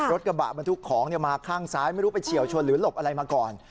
รถบรรทุกของมาข้างซ้ายไม่รู้ไปเฉียวชนหรือหลบอะไรมาก่อน